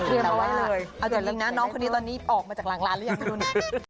เอาจากลิ้งนะน้องคนนี้ตอนนี้ออกมาจากหลังร้านหรือยัง